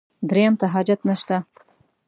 درېیم ته حاجت نشته.